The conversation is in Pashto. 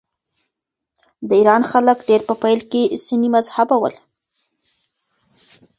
د ایران ډېری خلک په پیل کې سني مذهبه ول.